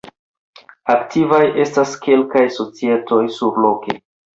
Aktivaj estas kelkaj societoj surloke.